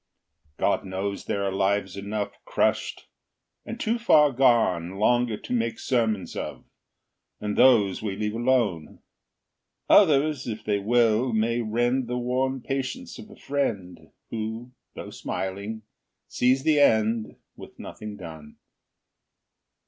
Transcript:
God knows there are lives enough, Crushed, and too far gone Longer to make sermons of, And those we leave alone. Others, if they will, may rend The worn patience of a friend Who, though smiling, sees the end, With nothing done.